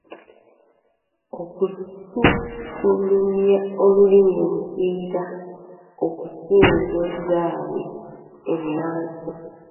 Okusukulumya olulimi olugwira okusinga ezaabwe ennaansi.